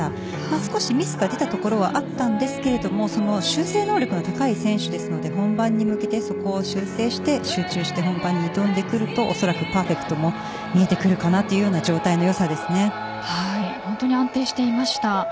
少しミスが出たところはあったんですが修正能力の高い選手ですので本番に向けて修正して集中して本番に挑んでくるとおそらくパーフェクトも見えてくるかなという本当に安定していました。